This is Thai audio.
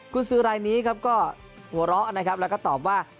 คุณซื้อรายนี้ครับก็หัวเราะนะครับแล้วก็ตอบว่า